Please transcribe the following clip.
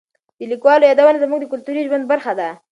د لیکوالو یادونه زموږ د کلتوري ژوند برخه ده.